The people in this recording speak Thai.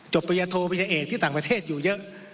จบประยะโทวิทยาเอกที่ต่างประเทศอยู่เยอะ